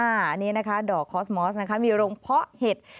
อันนี้นะคะดอกคอสมอสนะคะมีโรงเพาะเห็ด